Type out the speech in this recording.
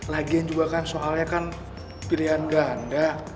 lagian juga kan soalnya kan pilihan ganda